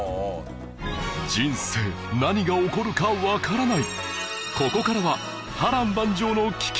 人生何が起こるかわからない